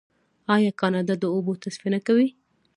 آیا کاناډا د اوبو تصفیه نه کوي؟